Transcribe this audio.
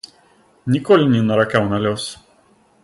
Ніколі не наракаў на лёс.